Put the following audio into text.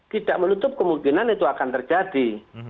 tidak menutup kemungkinan itu akan terjadi